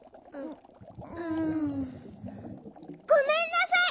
ううん。ごめんなさい！